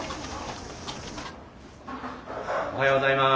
おはようございます。